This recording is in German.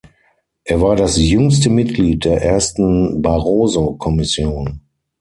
Er war das jüngste Mitglied der ersten Barroso-Kommission.